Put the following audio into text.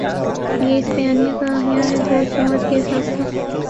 یہ اس بیانیے کا احیا ہے جو اس جماعت کی اساس تھا۔